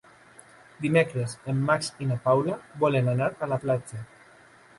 Dimecres en Max i na Paula volen anar a la platja.